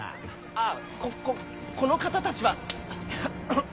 ああこここの方たちは。